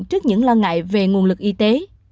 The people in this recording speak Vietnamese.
trước những lo ngại về nguồn lực y tế